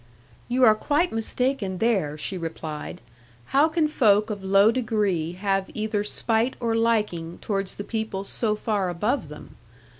'You are quite mistaken there,' she replied; 'how can folk of low degree have either spite or liking towards the people so far above them?